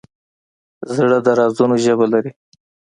زړه د رازونو ژبه لري.